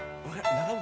長渕？